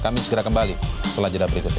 kami segera kembali setelah jeda berikutnya